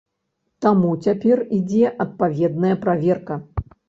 Таму цяпер ідзе адпаведная праверка.